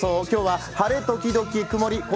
今日は晴れ時々曇り。